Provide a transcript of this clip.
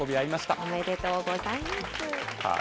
おめでとうございます。